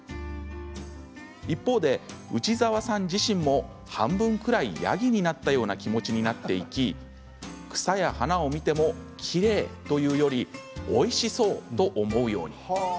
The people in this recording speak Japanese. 一方で内澤さん自身も半分くらいヤギになったような気持ちになっていき草や花を見てもきれいというよりおいしそうと思うように。